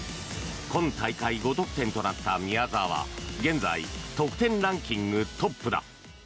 今大会５得点となった宮澤は現在、得点ランキングトップだ。